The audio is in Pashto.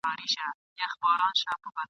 خره لېوه ته ویل گوره لېوه جانه !.